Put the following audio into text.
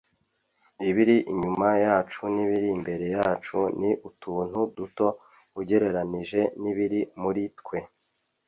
ibiri inyuma yacu n'ibiri imbere yacu ni utuntu duto ugereranije n'ibiri muri twe